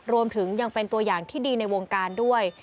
รวมถึงยังเป็นตัวอย่างที่ดีในวงการด้วย